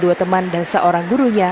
dua teman dan seorang gurunya